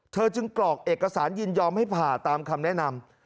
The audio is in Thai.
เธอจึงกรอกเอกสารยินยอมให้ผ่าตามคำแนะนำ